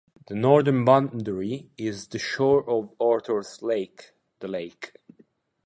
The northern boundary is the shore of "Arthurs Lake" (the lake).